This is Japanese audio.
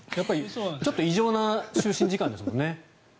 ちょっと異常な就寝時間ですもんね。